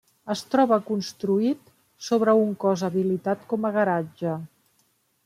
Es troba construït sobre un cos habilitat com a garatge.